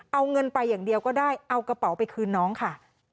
เอาเงินไปอย่างเดียวก็ได้เอากระเป๋าไปคืนน้องค่ะ